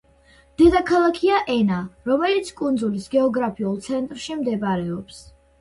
დედაქალაქია ენა, რომელიც კუნძულის გეოგრაფიულ ცენტრში მდებარეობს.